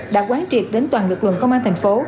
đã quán triệt đến toàn lực lượng công an thành phố